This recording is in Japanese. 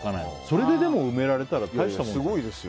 それで埋められたら大したものだよ。